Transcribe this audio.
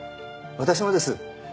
私もです。